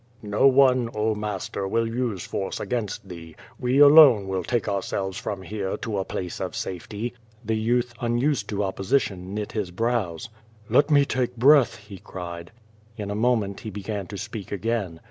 "No one, oh, master, will use force against thee. We alone will take ourselves from here to a place of safety." The youth, unused to opposition, knit his brows. "Let me take breath," he cried. In a moment he began to speak again.